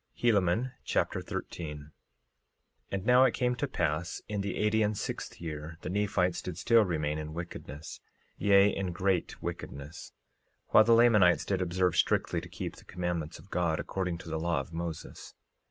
Helaman Chapter 13 13:1 And now it came to pass in the eighty and sixth year, the Nephites did still remain in wickedness, yea in great wickedness, while the Lamanites did observe strictly to keep the commandments of God, according to the law of Moses.